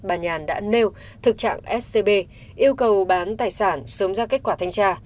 bà nhàn đã nêu thực trạng scb yêu cầu bán tài sản sớm ra kết quả thanh tra